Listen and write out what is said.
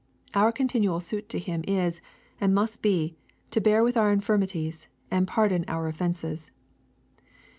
Our continual suit to Him is, and must be, to bear with our infirmities, and pardon our of fences."